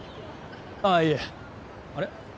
ああいえあれ？